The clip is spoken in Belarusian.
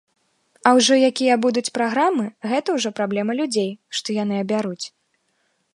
А ўжо якія будуць праграмы, гэта ўжо праблема людзей, што яны абяруць.